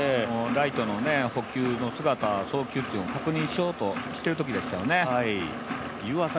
ライトの捕球の姿、送球を確認しているときですからね。